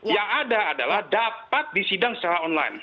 yang ada adalah dapat disidang secara online